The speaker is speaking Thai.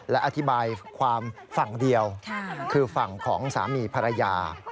และอธิบายความฝั่งเดียวคือฝั่งของสามีภรรยา